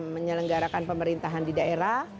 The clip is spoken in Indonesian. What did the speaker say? menyelenggarakan pemerintahan di daerah